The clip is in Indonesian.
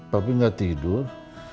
tapi gak tidur